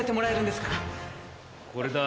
これだ。